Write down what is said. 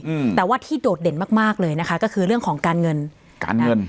อืมแต่ว่าที่โดดเด่นมากมากเลยนะคะก็คือเรื่องของการเงินการเงิน